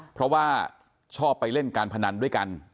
เพราะว่าชอบไปเล่นการพนันด้วยกัน